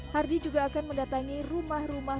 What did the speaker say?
hardi juga akan mendatangi rumah rumah